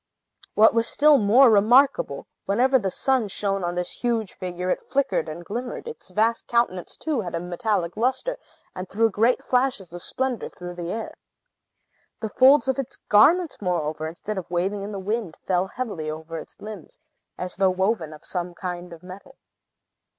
What was still more remarkable, whenever the sun shone on this huge figure, it flickered and glimmered; its vast countenance, too, had a metallic lustre, and threw great flashes of splendor through the air. The folds of its garments, moreover, instead of waving in the wind, fell heavily over its limbs, as if woven of some kind of metal.